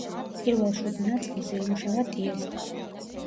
პირველ შვიდ ნაწილზე იმუშავა ტიესტომ.